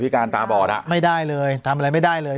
การตาบอดอ่ะไม่ได้เลยทำอะไรไม่ได้เลย